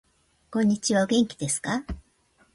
こんにちはお元気ですか